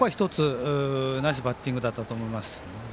ナイスバッティングだったと思います。